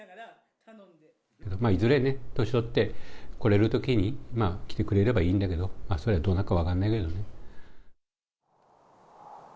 いずれね、年取って、来れるときに来てくれればいいんだけど、それはどうなるか分からないけどね。